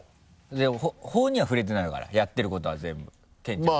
でも法には触れてないからやってることは全部健ちゃん。